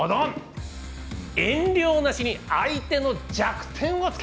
遠慮なしに相手の弱点をつけ！